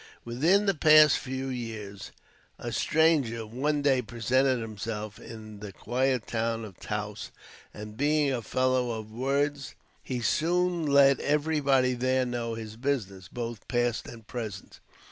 Within the past few years, a stranger one day presented himself in the quiet town of Taos, and, being a fellow of words, he soon let everybody there know his business, both past and present.